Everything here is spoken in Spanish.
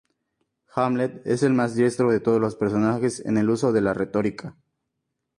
Hamlet es el más diestro de los personajes en el uso de la retórica.